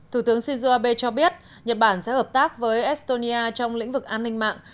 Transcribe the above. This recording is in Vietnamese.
thủ tướng shinzo abe cho biết nhật bản sẽ hợp tác với estonia trong lĩnh vực an ninh mạng